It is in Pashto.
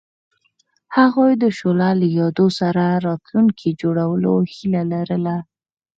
هغوی د شعله له یادونو سره راتلونکی جوړولو هیله لرله.